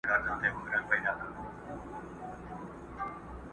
شپه پخه سي چي ویدېږم غزل راسي،